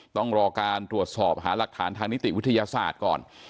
ต้องรอการตรวจสอบหาหลักฐานทางนิติวิทยาศาสตร์ก่อน